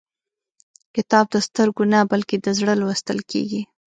کتاب د سترګو نه، بلکې د زړه لوستل کېږي.